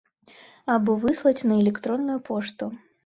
Або выслаць на электронную пошту.